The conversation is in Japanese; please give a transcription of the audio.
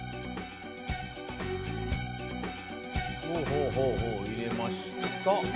ほうほうほうほういれました。